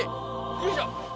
よいしょ。